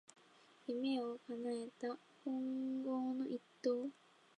夢をかなえた懇親の一投